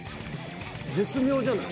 絶妙じゃない？